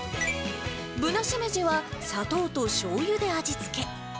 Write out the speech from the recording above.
ぶなしめじは砂糖としょうゆで味付け。